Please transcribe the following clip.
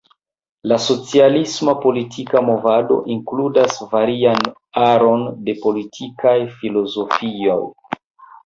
La socialisma politika movado inkludas varian aron de politikaj filozofioj.